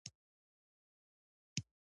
له چپنو او ګوبیچو، سندرو او نغمو څخه.